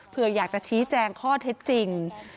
เพื่ออยากจะชี้แจงข้อเท็จจริง